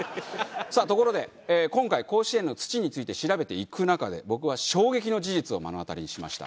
さあところで今回甲子園の土について調べていく中で僕は衝撃の事実を目の当たりにしました。